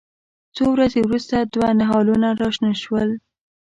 څو ورځې وروسته دوه نهالونه راشنه شول.